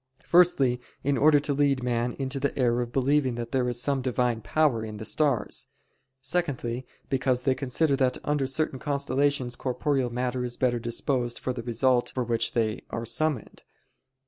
Firstly, in order to lead man into the error of believing that there is some Divine power in the stars. Secondly, because they consider that under certain constellations corporeal matter is better disposed for the result for which they are summoned.